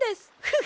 フフ！